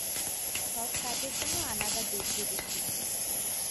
সব কাজের জন্য আলাদা আলাদা দেব-দেবী ছিলেন।